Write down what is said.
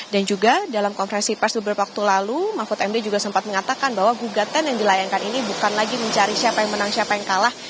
dan juga dalam konferensi pers beberapa waktu lalu mafut md juga sempat mengatakan bahwa gugatan yang dilayankan ini bukan lagi mencari siapa yang menang siapa yang kalah